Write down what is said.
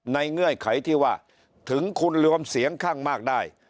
เงื่อนไขที่ว่าถึงคุณรวมเสียงข้างมากได้